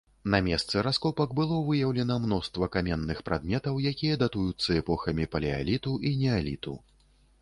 На месцы раскопак было выяўлена мноства каменных прадметаў, якія датуюцца эпохамі палеаліту і неаліту.